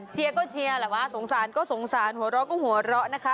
เชียร์ก็เชียร์แหละว่าสงสารก็สงสารหัวเราะก็หัวเราะนะคะ